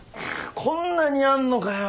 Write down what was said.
こんなにあんのかよ。